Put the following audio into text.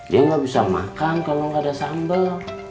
dia gak bisa makan kalau gak ada sambal